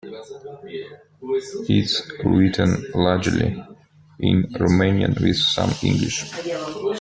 It is written largely in Romanian with some English.